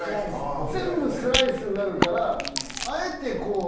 全部スライスになるからあえてこう。